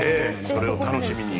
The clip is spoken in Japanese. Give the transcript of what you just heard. それを楽しみに。